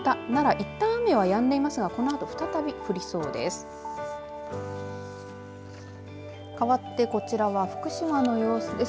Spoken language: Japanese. いったん雨はやんでいますがこのあと再び降りそうです。